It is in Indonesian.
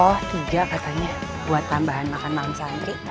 oh tiga katanya buat tambahan makan malam santri